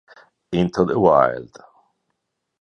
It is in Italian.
Into the Wild